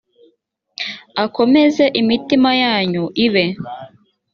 akomeze imitima yanyu ibe